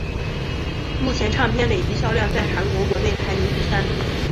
目前唱片累计销量在韩国国内排名第三。